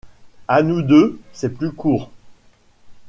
À nous deux, c’est plus court.